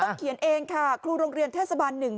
เขียนเองค่ะครูโรงเรียนเทศบันหนึ่ง